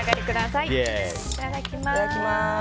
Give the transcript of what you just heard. いただきます！